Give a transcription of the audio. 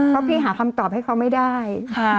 เพราะพี่หาคำตอบให้เขาไม่ได้